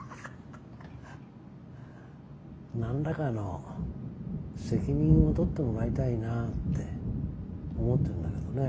何らかの責任を取ってもらいたいなぁって思ってんだけどね。